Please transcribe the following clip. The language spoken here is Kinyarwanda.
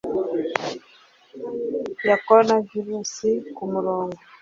ya coronavirus Kumurongo